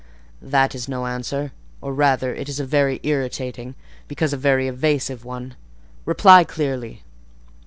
"That is no answer; or rather it is a very irritating, because a very evasive one. Reply clearly."